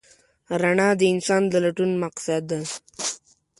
رڼا د انسان د لټون مقصد دی.